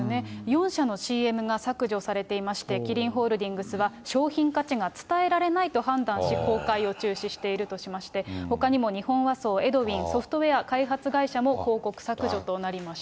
４社のＣＭが削除されていまして、キリンホールディングスは、商品価値が伝えられないと判断し、公開を中止しているとしまして、ほかにも日本和装、エドウィン、ソフトウェア開発会社も広告削除となりました。